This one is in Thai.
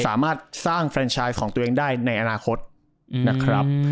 สามารถสร้างแฟนชายของตัวเองได้ในอนาคตนะครับ